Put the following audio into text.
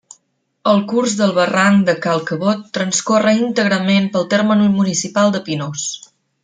El curs del Barranc de Cal Cabot transcorre íntegrament pel terme municipal de Pinós.